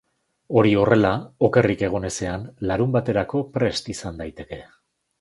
Hori horrela, okerrik egon ezean, larunbaterako prest izan daiteke.